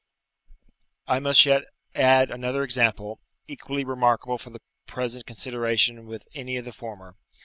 I must yet add another example, equally remarkable for the present consideration with any of the former.